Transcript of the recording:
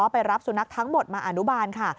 ไปรับสุนัขทั้งหมดมาอนุบาลค่ะ